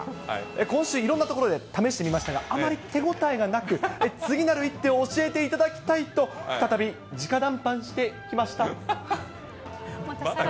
今週、いろんな所で試してみましたが、あまり手応えがなく、次なる一手を教えていただきたいと、再び、どうしますか？